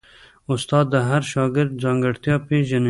استاد د هر شاګرد ځانګړتیا پېژني.